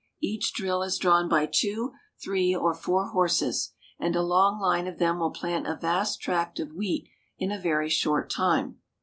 Each drill is drawn by two, three, or four horses, and a long line of them will plant a vast tract of wheat in a very short time.